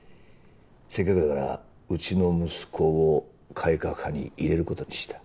せっかくだからうちの息子を改革派に入れる事にした。